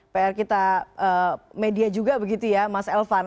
pr kita media juga begitu ya mas elvan